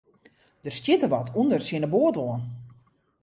Der stjitte wat ûnder tsjin de boat oan.